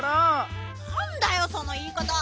なんだよそのいいかた！